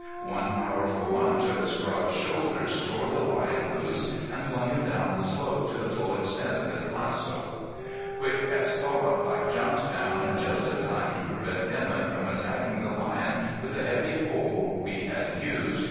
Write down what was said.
One powerful lunge of his broad shoulders tore the lion loose and flung him down the slope to the full extent of his lasso. Quick as thought I jumped down, and just in time to prevent Emett from attacking the lion with the heavy pole we had used.